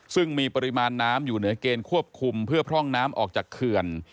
ซึ่งมีปริมาณน้ำอยู่เหนือเกณฑ์ควบคุมเพื่อพร่องน้ำออกจากเขื่อน